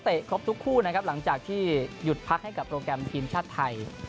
ครบทุกคู่นะครับหลังจากที่หยุดพักให้กับโปรแกรมทีมชาติไทย